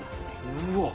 うわっ。